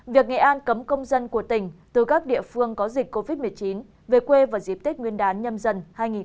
việc nghệ an cấm công dân của tỉnh từ các địa phương có dịch covid một mươi chín về quê vào dịp tết nguyên đán nhâm dần hai nghìn hai mươi